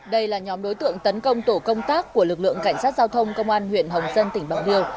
đây là nhóm đối tượng tấn công tổ công tác của lực lượng cảnh sát giao thông công an huyện hồng dân tỉnh bạc liêu